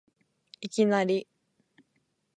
いきなり